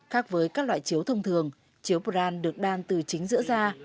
khác với các loại chiếu thông thường chiếu bran được đan từ chính giữa da